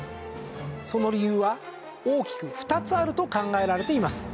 その理由は大きく２つあると考えられています。